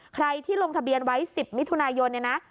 ใครที่ลงธบียนไว้๑๐มิถุนาเลื่อน